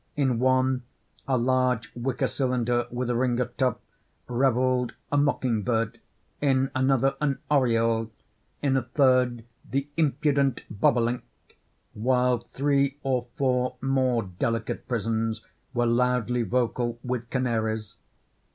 In one, a large wicker cylinder with a ring at top, revelled a mocking bird; in another an oriole; in a third the impudent bobolink—while three or four more delicate prisons were loudly vocal with canaries.